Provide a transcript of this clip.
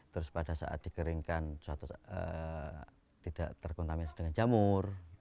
terus pada saat dikeringkan tidak terkontaminasi dengan jamur